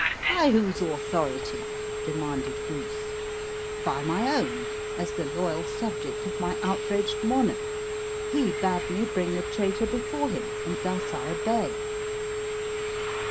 "By whose authority?" demanded Bruce. "By my own, as the loyal subject of my outraged monarch. He bade me bring the traitor before him; and thus I obey."